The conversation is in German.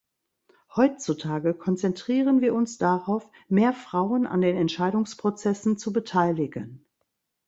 Heutzutage konzentrieren wir uns darauf, mehr Frauen an den Entscheidungsprozessen zu beteiligen.